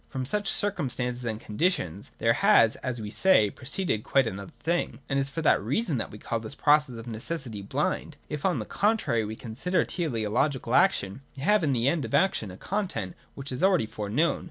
From such circumstances and conditions there has, as we say, proceeded quite another thing, and it is for that reason that we call this process of necessity blind. If on the contrary we consider teleological action, we have in the end of action a content which is already fore known.